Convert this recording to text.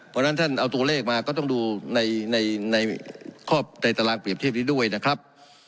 เพราะฉะนั้นท่านเอาตัวเลขมาก็ต้องดูในข้อในตารางเปรียบเทียบนี้ด้วยนะครับ